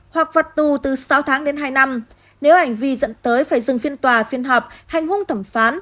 hoặc phạt tù từ sáu tháng đến hai năm nếu hành vi dẫn tới phải dừng phiên tòa phiên họp hành hung thẩm phán